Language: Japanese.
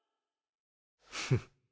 フッ。